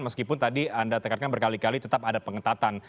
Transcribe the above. meskipun tadi anda tekankan berkali kali tetap ada pengetatan